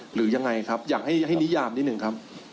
หรือยังไงครับอยากให้นิยามนิดหนึ่งครับ